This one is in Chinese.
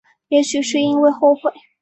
也许是因为后悔